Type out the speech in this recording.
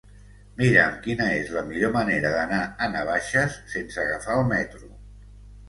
Mira'm quina és la millor manera d'anar a Navaixes sense agafar el metro.